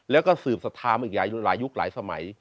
แล้วก็สืบสัทธามาอีกหลายยุคหลายสมัย